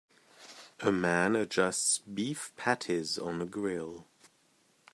A man adjusts beef patties on a grill.